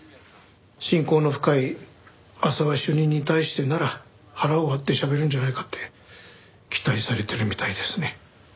親交の深い浅輪主任に対してなら腹を割ってしゃべるんじゃないかって期待されてるみたいですね。